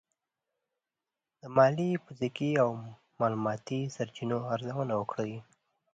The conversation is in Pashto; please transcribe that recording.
د مالي، فزیکي او معلوماتي سرچینو ارزونه وکړئ.